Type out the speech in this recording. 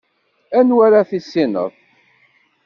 Anwa ara tissineḍ?